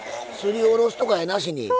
すりおろすとかやなしに。